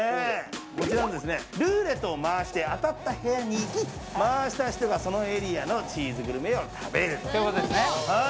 こちらはルーレットを回して当たった部屋に行き回した人がそのエリアのチーズグルメを食べるということですね。